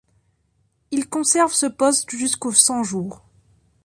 Il conserve ce poste jusqu'aux Cent-Jours.